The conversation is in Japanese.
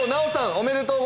おめでとう